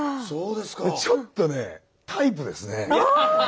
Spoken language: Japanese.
でちょっとねタイプですね。